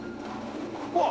うわっ！